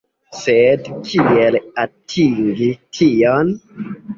Sed kiel atingi tion?